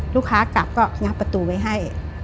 กลับก็งับประตูไว้ให้